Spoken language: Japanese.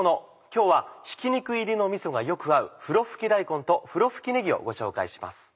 今日はひき肉入りのみそがよく合う「ふろふき大根」と「ふろふきねぎ」をご紹介します。